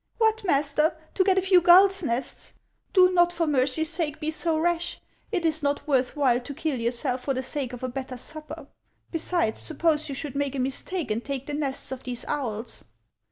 " What, master ! to get a few gull's nests ? Do not, for mercy's sake, be so rash ! It is not worth while to kill yourself for the sake of a better supper. Besides, suppose you should make a mistake and take the nests of these owls